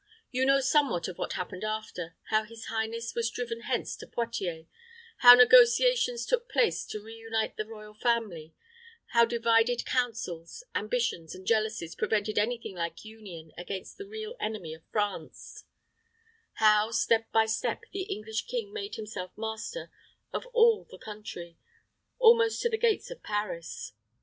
You know somewhat of what happened after how his highness was driven hence to Poictiers, how negotiations took place to reunite the royal family; how divided counsels, ambitions, and jealousies prevented any thing like union against the real enemy of France; how, step by step, the English king made himself master of all the country, almost to the gates of Paris.